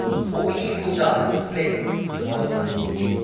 _ All evil done clings to the body.